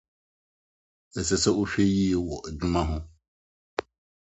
Ɛsɛ sɛ wohwɛ yiye wɔ adwuma ho.